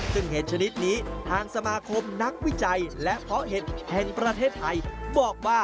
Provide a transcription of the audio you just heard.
ซึ่งเห็ดชนิดนี้ทางสมาคมนักวิจัยและเพาะเห็ดแห่งประเทศไทยบอกว่า